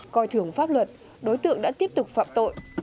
gọi thưởng pháp luật đối tượng đã tiếp tục phạm tội